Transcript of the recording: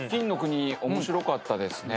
面白かったですね。